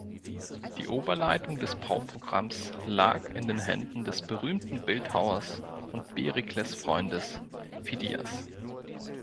Die Oberleitung des Bauprogramms lag in den Händen des berühmten Bildhauers und Perikles-Freundes Phidias.